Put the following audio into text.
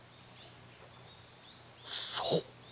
そう！